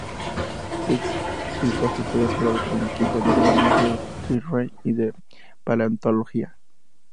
El fósil fue asegurado por un equipo del Real Museo Tyrrell de Paleontología.